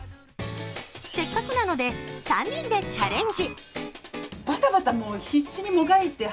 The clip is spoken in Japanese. せっかくなので３人でチャレンジ。